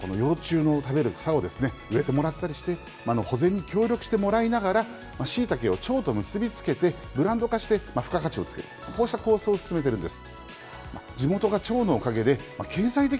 ですので、必要に幼虫が食べる草を植えてもらったりして、保全に協力してもらいながら、シイタケをチョウと結び付けて、ブランド化して、付加価値をつける、こうした構想を進めているんです。